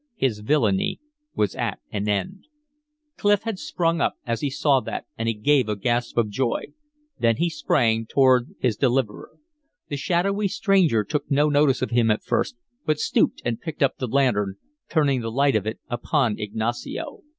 His villainy was at an end. Clif had sprung up as he saw that, and he gave a gasp of joy. Then he sprang toward his deliverer. The shadowy stranger took no notice of him at first, but stooped and picked up the lantern, turning the light of it upon Ignacio.